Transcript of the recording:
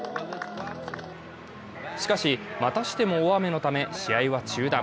しかし、またしても大雨のため、試合は中断。